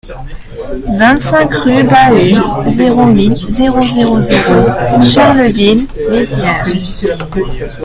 vingt-cinq rue Bahut, zéro huit, zéro zéro zéro Charleville-Mézières